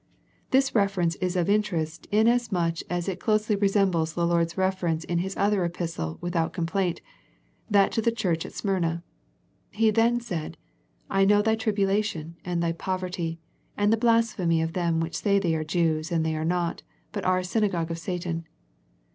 This ref erence is of interest in as much as it closely re sembles the Lord's reference in His other epis tle without complaint, that to the church at Smyrna. He then said " I know thy tribula tion, and thy poverty, and the blasphemy of them which say they are Jews, and they are not, but are a synagogue of Satan."